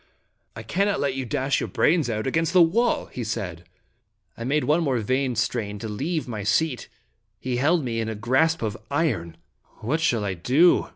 " I cannot let you dash your brains out against the wall/* he said. I made one more vain strain to leave my seat. He held me in a grasp of iron. " What shall I do?"